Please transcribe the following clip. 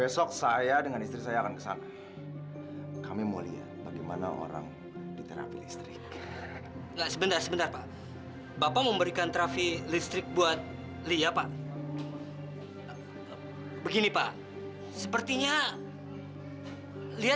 sampai jumpa di video selanjutnya